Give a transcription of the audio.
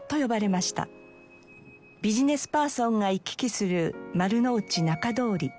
ビジネスパーソンが行き来する丸の内仲通り。